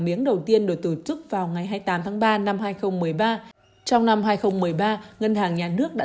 miếng đầu tiên được tổ chức vào ngày hai mươi tám tháng ba năm hai nghìn một mươi ba trong năm hai nghìn một mươi ba ngân hàng nhà nước đã